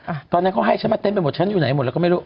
อ่ะตอนนั้นเขาให้ฉันมาเต็มไปหมดฉันอยู่ไหนหมดแล้วก็ไม่รู้